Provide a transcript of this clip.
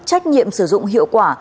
trách nhiệm sử dụng hiệu quả